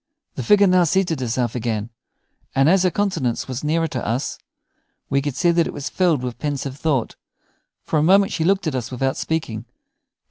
The figure now seated herself again, and as her countenance was nearer to us, we could see that it was filled with pensive thought. For a moment she looked at us without speaking.